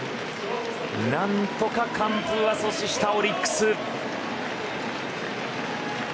何とか完封は阻止したオリックス。